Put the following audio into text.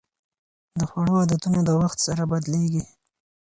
د خوړو عادتونه د وخت سره بدلېږي.